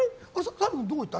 澤部君どこ行った？